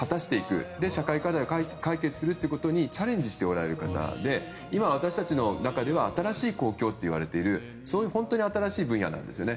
そして、社会課題を解決していくことにチャレンジしておられる方で今、私たちの中では新しい公共といわれている本当に新しい分野なんですよね。